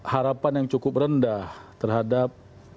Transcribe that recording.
harapan yang cukup rendah terhadap